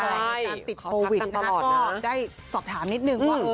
มีการติดโควิดนะคะก็ได้สอบถามนิดนึงว่า